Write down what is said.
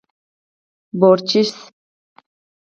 🐊 بورچېش